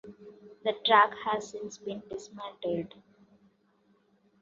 The track has since been dismantled.